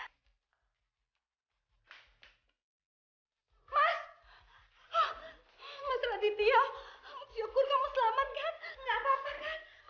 anak anaksemp dla cousin you porro mati juga berupa mulut luar otot